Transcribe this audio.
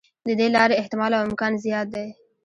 د دې لارې احتمال او امکان زیات دی.